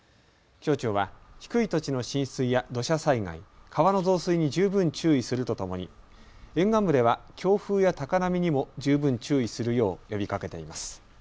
気象庁は低い土地の浸水や土砂災害、川の増水に十分注意するとともに沿岸部では強風や高波にも十分注意するよう呼びかけています。